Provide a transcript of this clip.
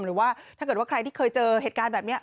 หรือว่าถ้าเกิดว่าใครที่เคยเจอเหตุการณ์แบบนี้